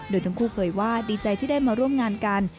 โดยทั้งคู่เผยว่าดีใจที่ได้มาร่วมงานกัน